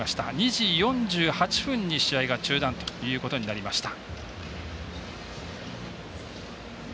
２時４８分に試合が中断ということになりました。